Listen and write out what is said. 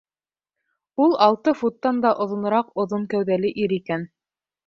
Ул алты футтан да оҙонораҡ оҙон кәүҙәле ир икән.